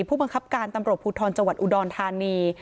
ผู้บังคับการตำรวจภูทรจังหวัดอุดรธานี